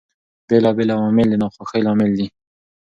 بېلابېل عوامل د ناخوښۍ لامل دي.